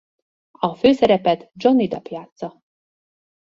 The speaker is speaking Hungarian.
A főszerepet Johnny Depp játssza.